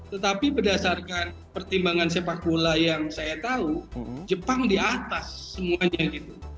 tetapi berdasarkan pertimbangan sepak bola yang saya tahu jepang di atas semuanya gitu